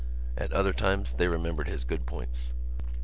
At other times they remembered his good points.